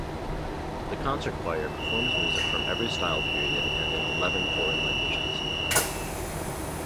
The Concert Choir performs music from every style period and in eleven foreign languages.